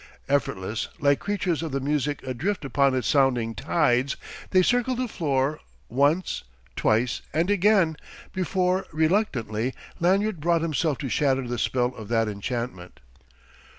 Effortless, like creatures of the music adrift upon its sounding tides, they circled the floor once, twice, and again, before reluctantly Lanyard brought himself to shatter the spell of that enchantment.